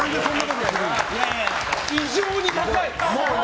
異常に高い。